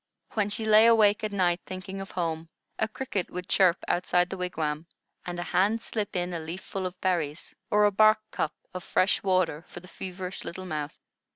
When she lay awake at night thinking of home, a cricket would chirp outside the wigwam, and a hand slip in a leaf full of berries, or a bark cup of fresh water for the feverish little mouth.